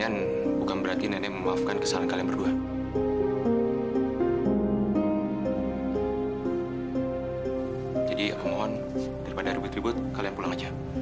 nanti mereka gak pulang pulang